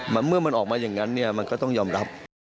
เมื่อมันออกมาอย่างนั้นเนี่ยมันก็ต้องยอมรับ